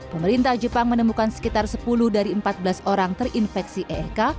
pemerintah jepang menemukan sekitar sepuluh dari empat belas orang terinfeksi eek